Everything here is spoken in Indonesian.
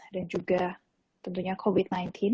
dan juga tentunya covid sembilan belas